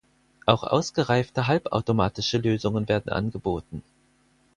Auch ausgereifte halbautomatische Lösungen werden angeboten.